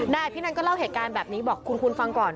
อภินันก็เล่าเหตุการณ์แบบนี้บอกคุณฟังก่อน